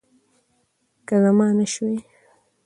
که زما نه شوی